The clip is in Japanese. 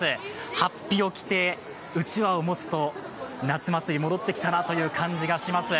法被を着てうちわを持つと、夏祭り戻ってきたんだなという感じがします。